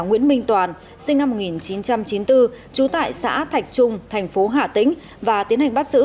nguyễn minh toàn sinh năm một nghìn chín trăm chín mươi bốn trú tại xã thạch trung thành phố hà tĩnh và tiến hành bắt xử